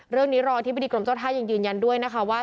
เรื่องนี้รองอธิบดีกรมเจ้าท่ายังยืนยันด้วยนะคะว่า